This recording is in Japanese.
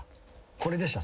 これでした？